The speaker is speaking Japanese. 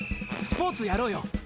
スポーツやろうよ。